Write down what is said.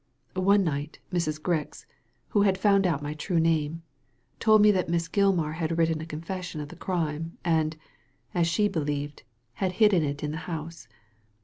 One night, Mrs. Grix — who had found out my true name — told me that Miss Gilmar had written a confession of the crime ; and — as she believed — ^had hidden it in the house.